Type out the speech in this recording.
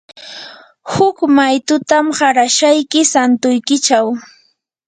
huk maytutam qarashayki santuykichaw.